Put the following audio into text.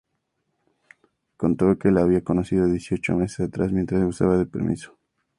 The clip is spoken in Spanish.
Contó que la había conocido dieciocho meses atrás mientras gozaba de permiso.